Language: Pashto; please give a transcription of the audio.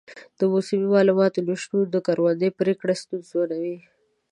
د موسمي معلوماتو نه شتون د کروندې پریکړې ستونزمنوي.